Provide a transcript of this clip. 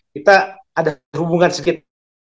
kita ada hubungan sikit